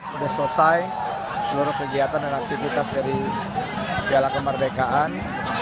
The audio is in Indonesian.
sudah selesai seluruh kegiatan dan aktivitas dari piala kemerdekaan